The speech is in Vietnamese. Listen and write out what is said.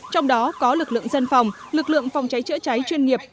trong đó có lực lượng dân phòng lực lượng phòng cháy chữa cháy chuyên nghiệp